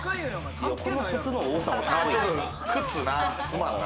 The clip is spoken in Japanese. この靴の多さもすごい。